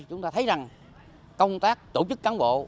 chúng ta thấy rằng công tác tổ chức cán bộ